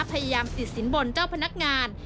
พยายามติดสินบนเจ้าพนักงาน